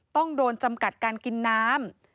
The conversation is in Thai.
ต้องโดนจำกัดการกินน้ำ